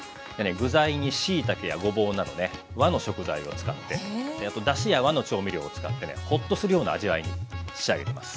具材にしいたけやごぼうなどね和の食材を使ってだしや和の調味料を使ってねほっとするような味わいに仕上げてます。